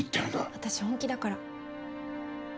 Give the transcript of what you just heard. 私本気だから。